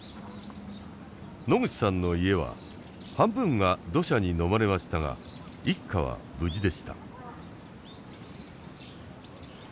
野口さんの家は半分が土砂にのまれましたが一家は無事でした。